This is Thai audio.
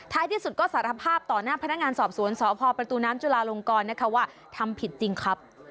ที่สุดก็สารภาพต่อหน้าพนักงานสอบสวนสพประตูน้ำจุลาลงกรนะคะว่าทำผิดจริงครับ